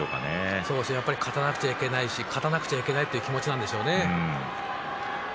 やはり勝たなくちゃいけないし勝たなくちゃいけないという気持ちなんでしょうね。